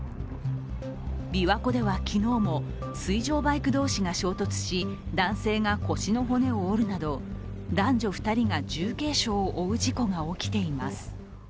びわ湖では昨日も、水上バイク同士が衝突し男性が腰の骨を折るなど男女２人が重軽傷を負う事故が起きています。